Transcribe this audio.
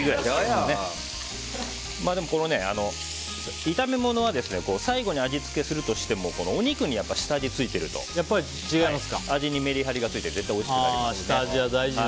これ、炒めものは最後に味付けするとしてもお肉に下味がついていると味にメリハリがついて絶対においしくなります。